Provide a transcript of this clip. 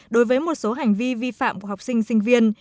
đối với một số hành vi vi phạm của học sinh sinh viên